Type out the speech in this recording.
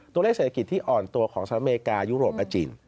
ตัวเลขเศรษฐกิจที่อ่อนตัวของสหรัฐอเมริกายุโรปและจีน